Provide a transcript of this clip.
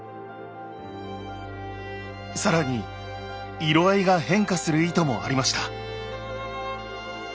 さらに色合いが変化する糸もありました。